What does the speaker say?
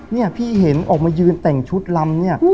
นี่พี่เห็นออกมายืนแต่งชุดลำเนี่ย